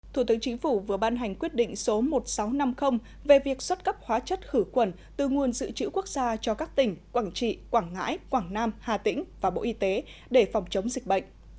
thủ tướng chính phủ vừa ban hành quyết định số một nghìn sáu trăm năm mươi về việc xuất cấp hóa chất khử quần từ nguồn dự trữ quốc gia cho các tỉnh quảng trị quảng ngãi quảng nam hà tĩnh và bộ y tế để phòng chống dịch bệnh